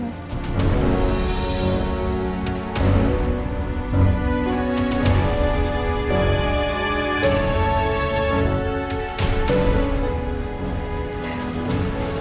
ya udah akan nyanyi